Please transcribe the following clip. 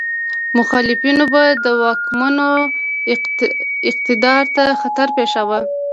مخالفینو به د واکمنو اقتدار ته خطر پېښاوه.